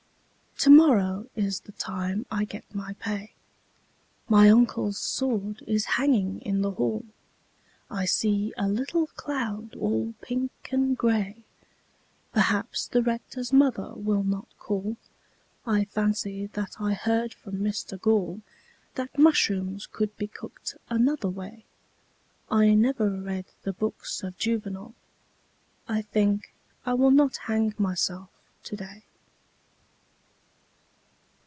Tomorrow is the time I get my pay My uncle's sword is hanging in the hall I see a little cloud all pink and grey Perhaps the Rector's mother will not call I fancy that I heard from Mr Gall That mushrooms could be cooked another way I never read the works of Juvenal I think I will not hang myself today.